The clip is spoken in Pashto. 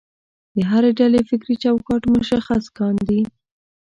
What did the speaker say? د هرې ډلې فکري چوکاټ مشخص کاندي.